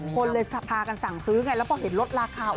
คนเลยพากันสั่งซื้อไงแล้วพอเห็นลดราคา